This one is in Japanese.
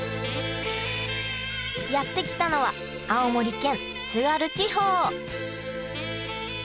やって来たのは青森県津軽地方！